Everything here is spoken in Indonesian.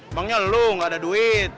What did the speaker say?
emangnya lu gak ada duit